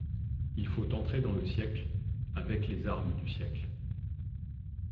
Il faut entrer dans le siècle, avec les armes du siècle.